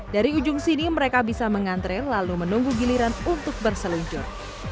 dari ujung sini mereka bisa mengantre lalu menunggu giliran untuk berseluncur